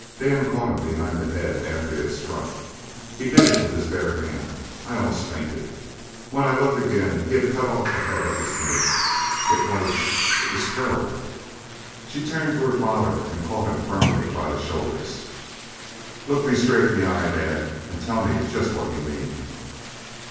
"Dan caught him behind the head after he had struck. He did it with his bare hand! I almost fainted. When I looked again he had cut off the head of the snake. It was it was terrible!" She turned to her father and caught him firmly by the shoulders. "Look me straight in the eye, Dad, and tell me just what you mean."